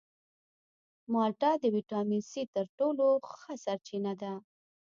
مالټه د ویټامین سي تر ټولو ښه سرچینه ده.